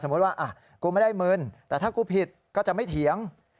ว่ากูไม่ได้มึนแต่ถ้ากูผิดก็จะไม่เถียง